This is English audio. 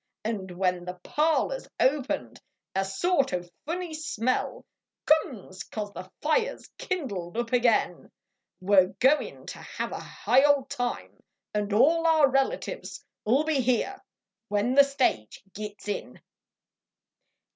Xd when the parlor s opened a sort o funny smell Comes cause the fire s kindled up ag in, We re goin to have a high old time Xd all our relatives I ll be here when the stage gits in.